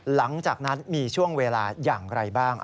หลังจากนั้นมีช่วงเวลาอย่างไรบ้าง